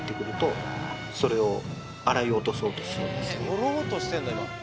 取ろうとしてるんだ今。